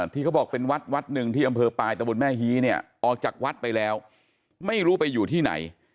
ที่เขาบอกเป็นวัดวัดหนึ่งที่อำเภอปลายตะบนแม่ฮีเนี่ยออกจากวัดไปแล้วไม่รู้ไปอยู่ที่ไหน